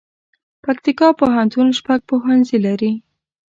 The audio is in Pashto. پکتيکا پوهنتون شپږ پوهنځي لري